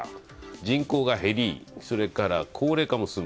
人口が減り、それから高齢化も進む。